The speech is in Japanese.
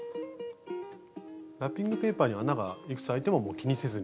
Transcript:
ラッピングペーパーに穴がいくつあいてももう気にせずに？